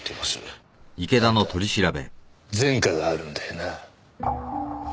あんた前科があるんだよな？